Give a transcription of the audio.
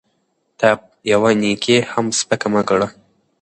ته يوه نيکي هم سپکه مه ګڼه